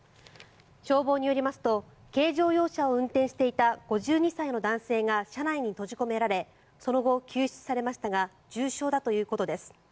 消防によりますと軽乗用車を運転していた５２歳の男性が車内に閉じ込められその後、救出されましたが重傷だということです。